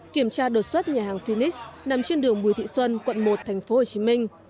kiểm tra đột xuất nhà hàng phoenix nằm trên đường bùi thị xuân quận một thành phố hồ chí minh